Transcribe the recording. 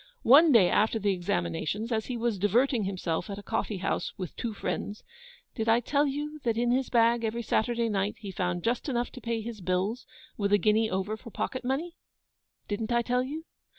One day after the Examinations, as he was diverting himself at a coffee house with two friends (Did I tell you that in his bag, every Saturday night, he found just enough to pay his bills, with a guinea over, for pocket money? Didn't I tell you?